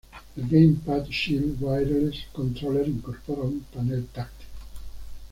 El GamePad Shield Wireless Controller incorpora un panel táctil.